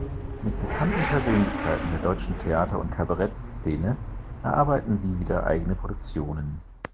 Mit bekannten Persönlichkeiten der deutschen Theater- und Kabarettszene erarbeiten sie wieder eigene Produktionen.